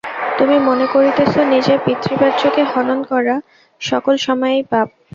তুমি মনে করিতেছ নিজের পিতৃব্যকে হনন করা সকল সময়েই পাপ।